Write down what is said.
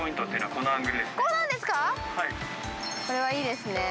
これはいいですね。